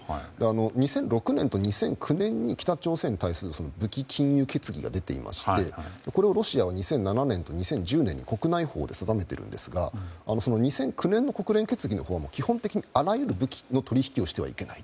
２００６年と２００９年に北朝鮮に対して武器禁輸決議が出ていましてこれをロシアは２００７年２０１０年に国内法で定めているんですが２００９年の国連決議のほうは基本的にあらゆる武器の取引をしてはいけない。